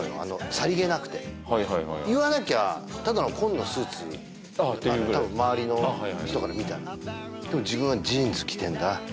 さりげなくてはいはいはい言わなきゃただの紺のスーツあっっていうぐらい多分周りの人から見たらでも自分は「ジーンズ着てんだ」